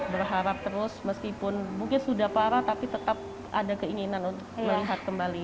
berharap terus meskipun mungkin sudah parah tapi tetap ada keinginan untuk melihat kembali